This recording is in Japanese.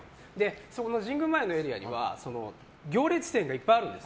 その神宮前のエリアには行列店がいっぱいあるんです。